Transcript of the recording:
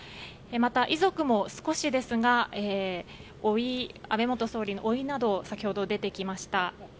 また、遺族も少しですが安倍元総理のおいなど先ほど出てきました。